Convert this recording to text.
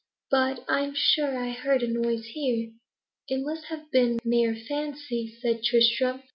But I am sure I heard a noise here." "It must have been mere fancy," said Tristram.